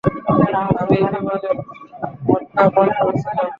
আমিই বিমানে ভদকা পান করেছিলাম।